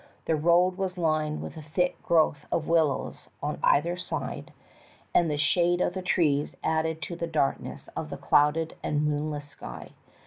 The road was lined with a thick growth of willows on either side and the shade of the trees added to the darkness of the clouded and moon less sky.